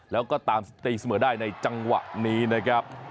แล้วก็ตามสตีเสมอได้ในจังหวะนี้นะครับ